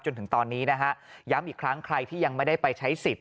จนถึงตอนนี้นะฮะย้ำอีกครั้งใครที่ยังไม่ได้ไปใช้สิทธิ